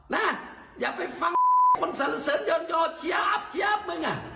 นะอย่าไปฟังคนสรรเสริญยอดชี้อัพมึงอ่ะ